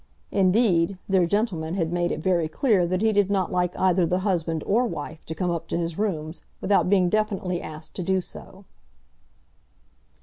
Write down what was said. Indeed, their gentleman had made it very clear that he did not like either the husband or wife to come up to his rooms without being definitely asked to do so.